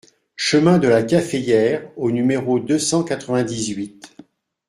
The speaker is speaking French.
Chemin de la Caféière au numéro deux cent quatre-vingt-dix-huit